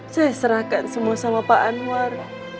saya serahkan semua sama pak anwar